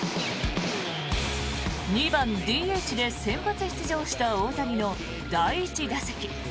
２番ＤＨで先発出場した大谷の第１打席。